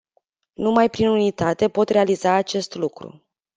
Numai prin unitate pot realiza acest lucru.